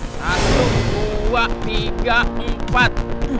satu dua tiga empat